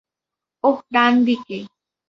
ওহ ডান দিকে!